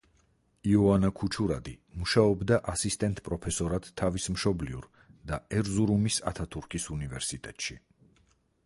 იოანა ქუჩურადი მუშაობდა ასისტენტ პროფესორად თავის მშობლიურ და ერზურუმის ათათურქის უნივერსიტეტში.